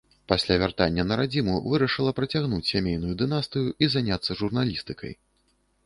Пасля вяртання на радзіму вырашыла працягнуць сямейную дынастыю і заняцца журналістыкай.